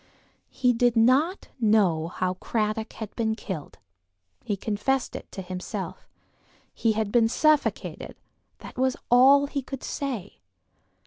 He did not know how Cradock had been killed; he confessed it to himself. He had been suffocated; that was all he could say.